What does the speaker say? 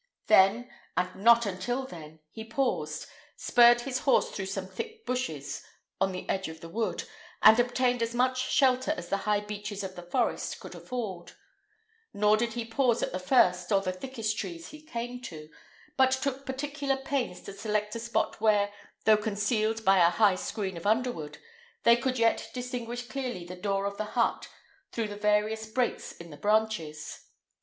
Then, and not until then, he paused, spurred his horse through some thick bushes on the edge of the wood, and obtained as much shelter as the high beeches of the forest could afford; nor did he pause at the first or the thickest trees he came to, but took particular pains to select a spot where, though concealed by a high screen of underwood, they could yet distinguish clearly the door of the hut through the various breaks in the branches.